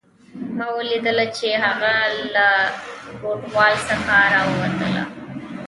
ما ولیدله چې هغه له ګودال څخه راووتله